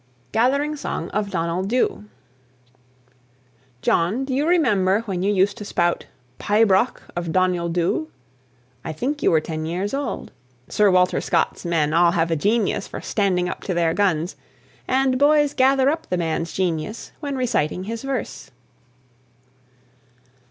GATHERING SONG OF DONALD DHU. Jon, do you remember when you used to spout "Pibroch of Donald Dhu"? I think you were ten years old. Sir Walter Scott's men all have a genius for standing up to their guns, and boys gather up the man's genius when reciting his verse.